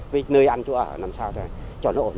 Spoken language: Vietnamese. với nơi ăn chỗ ở làm sao cho nó ổn định cuộc sống cho dân